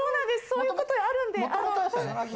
そういうことあるんで。